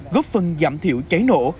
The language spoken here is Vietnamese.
góp phần giảm thiểu cháy nổ